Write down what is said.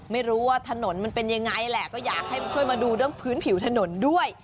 ไม่รู้ว่าถนนมันเป็นยังไงแหละก็อยากให้ช่วยมาดูเรื่องพื้นผิวถนนด้วย